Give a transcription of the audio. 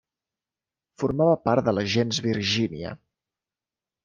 Formava part de la gens Virgínia.